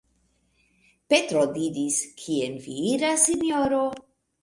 Petro diris: "Kien vi iras, Sinjoro?